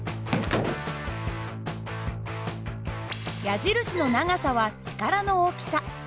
矢印の長さは力の大きさ。